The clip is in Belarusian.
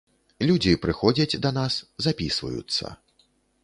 Людзі прыходзяць да нас, запісваюцца.